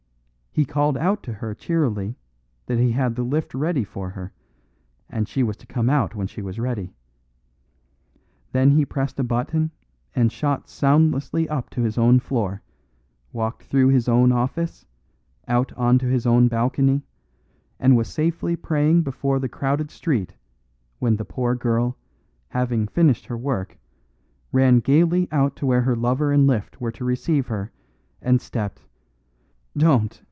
He called out to her cheerily that he had the lift ready for her, and she was to come out when she was ready. Then he pressed a button and shot soundlessly up to his own floor, walked through his own office, out on to his own balcony, and was safely praying before the crowded street when the poor girl, having finished her work, ran gaily out to where lover and lift were to receive her, and stepped " "Don't!"